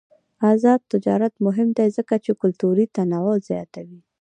آزاد تجارت مهم دی ځکه چې کلتوري تنوع زیاتوي.